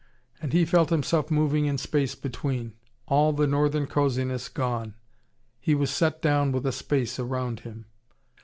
And he felt himself moving in the space between. All the northern cosiness gone. He was set down with a space round him.